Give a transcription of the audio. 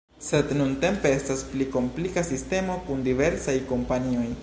Sed nuntempe estas pli komplika sistemo kun diversaj kompanioj.